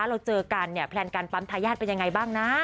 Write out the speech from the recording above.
เราเจอกันเนี่ยแพลนการปั๊มทายาทเป็นยังไงบ้างนะ